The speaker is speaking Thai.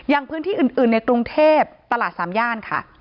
อย่างพื้นที่อื่นในกรุงเทพตลาดสามย่านค่ะ